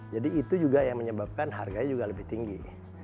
jadi itu juga yang menyebabkan harganya juga lebih tinggi